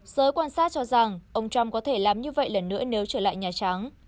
giới quan sát cho rằng ông trump có thể làm như vậy lần nữa nếu trở lại nhà trắng